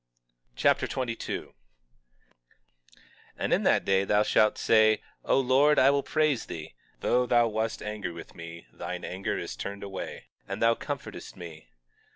2 Nephi Chapter 22 22:1 And in that day thou shalt say: O Lord, I will praise thee; though thou wast angry with me thine anger is turned away, and thou comfortedst me.